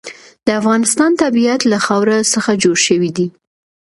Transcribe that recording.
د افغانستان طبیعت له خاوره څخه جوړ شوی دی.